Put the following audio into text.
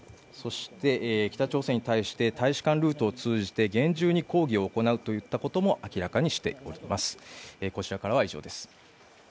そして、北朝鮮に対して大使館ルートを通じて厳重に抗議を行うといったことも明らかにしております。